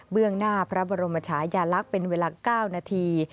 หน้าพระบรมชายาลักษณ์เป็นเวลา๙นาที